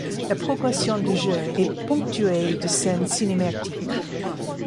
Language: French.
La progression du jeu est ponctuée de scènes cinématiques.